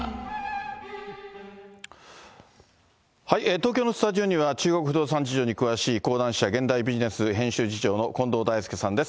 東京のスタジオには中国不動産事情に詳しい、講談社現代ビジネス編集次長の近藤大介さんです。